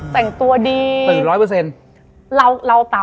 แต่งตัวดีตื่น๑๐๐